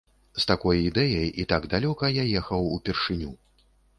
З такой ідэяй і так далёка я ехаў упершыню.